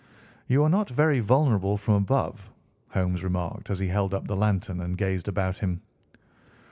"You are not very vulnerable from above," Holmes remarked as he held up the lantern and gazed about him.